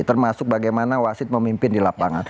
termasuk bagaimana wasit memimpin di lapangan